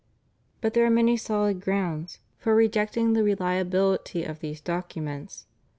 But there are many solid grounds for rejecting the reliability of these documents.